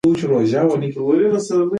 زده کوونکي باید پر وخت ښوونځي ته لاړ سي.